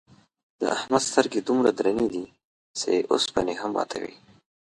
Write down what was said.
د احمد سترگې دومره درنې دي، چې اوسپنې هم ماتوي.